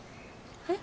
え？